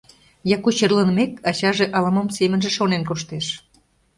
Яку черланымек, ачаже ала-мом семынже шонен коштеш.